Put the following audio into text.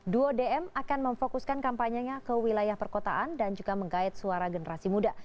duo dm akan memfokuskan kampanyenya ke wilayah perkotaan dan juga menggait suara generasi muda